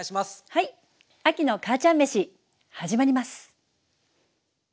はい「亜希の母ちゃんめし」始まります。